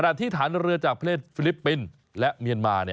ขณะที่ฐานเรือจากเทพฤริปปินส์และเมียนมาร์